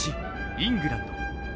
イングランド。